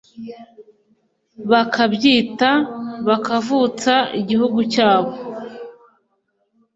bakabyita “kubavutsa igihugu cyabo”